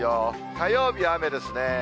火曜日雨ですね。